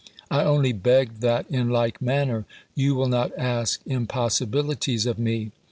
I only beg that, in like manner, you will not ask impossi bilities of me.